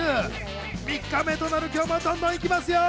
３日目となる今日もどんどん行きますよ。